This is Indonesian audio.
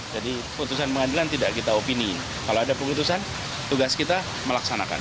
jadi keputusan pengadilan tidak kita opini kalau ada keputusan tugas kita melaksanakan